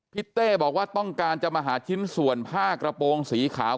เต้บอกว่าต้องการจะมาหาชิ้นส่วนผ้ากระโปรงสีขาว